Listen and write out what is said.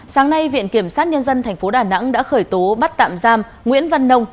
sáng nay viện kiểm sát nhân dân tp đà nẵng đã khởi tố bắt tạm giam nguyễn văn nông